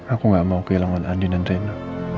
aku gak mau kehilangan andi dan reno